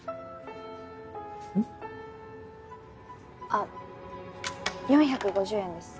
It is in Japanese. あっ４５０円です。